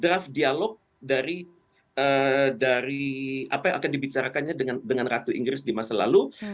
draft dialog dari apa yang akan dibicarakannya dengan ratu inggris di masa lalu